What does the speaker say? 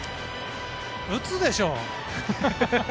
打つでしょう。